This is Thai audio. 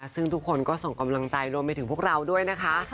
ซึ่งทุกคนก็ส่งกำลังใจรวมไปถึงพวกเราด้วยนะคะ